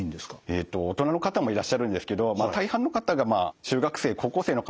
大人の方もいらっしゃるんですけど大半の方が中学生高校生の方。